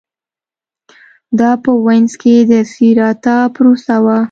دا په وینز کې د سېراتا پروسه وه